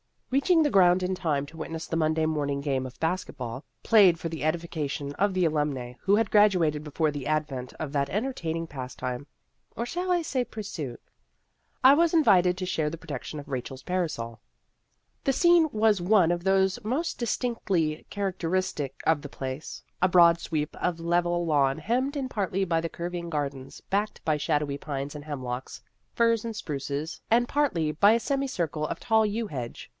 Reaching the ground in time to witness the Monday morning game of basket ball, played for the edification of the alumnae who had graduated before the advent of that entertaining pastime or shall I say pursuit? I was invited to share the protection of Rachel's parasol. The scene was one of those most distinc tively characteristic of the place a broad sweep of level lawn hemmed in partly by the curving gardens backed by shadowy pines and hemlocks, firs and spruces, and 96 Vassar Studies partly by a semicircle of tall yew hedge.